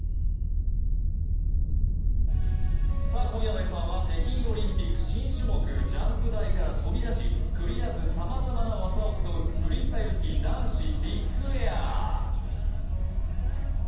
今夜の「Ｓ☆１」は北京オリンピック新種目、ジャンプ台から飛び出し繰り出すさまざまな技を競う、フリースタイルスキー男子ビッグエア！